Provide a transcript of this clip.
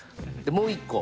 もう一個。